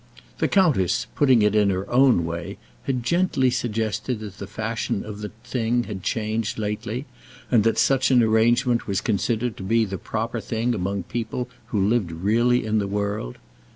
The countess, putting it in her own way, had gently suggested that the fashion of the thing had changed lately, and that such an arrangement was considered to be the proper thing among people who lived really in the world.